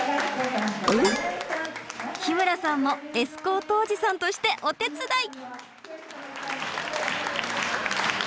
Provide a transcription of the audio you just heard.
日村さんもエスコートおじさんとしてお手伝い！